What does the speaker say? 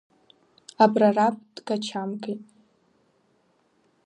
Апрораб дгачамкит…